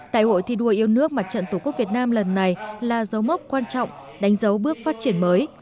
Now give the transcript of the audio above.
đại hội thi đua yêu nước mặt trận tổ quốc việt nam lần này là dấu mốc quan trọng đánh dấu bước phát triển mới